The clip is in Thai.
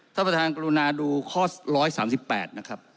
ท่านประธานกรุณาดูข้อ๑๓๘นะครับ